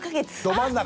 ど真ん中！